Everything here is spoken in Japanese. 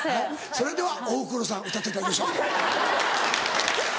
それでは『おふくろさん』歌っていただきましょう。